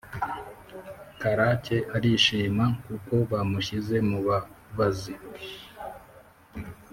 karake arishima kuko bamushyize mu babazi.